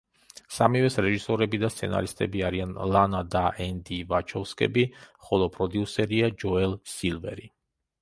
სამივეს რეჟისორები და სცენარისტები არიან ლანა და ენდი ვაჩოვსკები, ხოლო პროდიუსერია ჯოელ სილვერი.